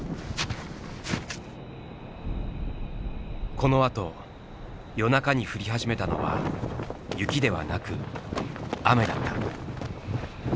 このあと夜中に降り始めたのは雪ではなく雨だった。